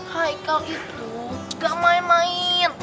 haikal itu gak main main